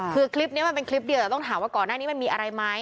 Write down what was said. คือคลิปนี้มันเป็นคลิปเดียวแต่ต้องถามว่าก่อนหน้านี้มันมีอะไรไหม